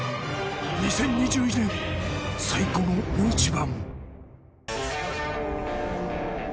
２０２１年、最高の大一番。